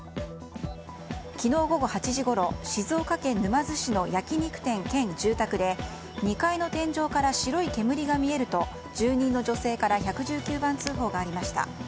昨日午後８時ごろ静岡県沼津市の焼き肉店兼住宅で２階の天井から白い煙が見えると住人の女性から１１９番通報がありました。